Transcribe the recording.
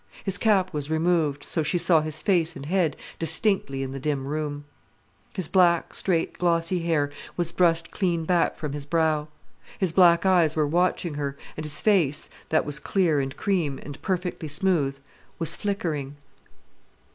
His cap was removed, so she saw his face and head distinctly in the dim room. His black, straight, glossy hair was brushed clean back from his brow. His black eyes were watching her, and his face, that was clear and cream, and perfectly smooth, was flickering.